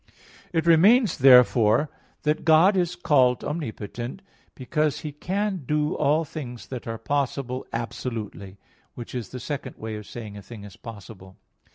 It remains therefore, that God is called omnipotent because He can do all things that are possible absolutely; which is the second way of saying a thing is possible.